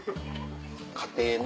家庭の。